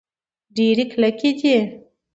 ډبرې کلکې دي.